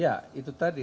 ya itu tadi